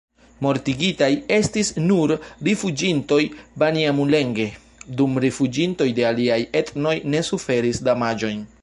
Mortigitaj estis nur rifuĝintoj-banjamulenge, dum rifuĝintoj de aliaj etnoj ne suferis damaĝojn.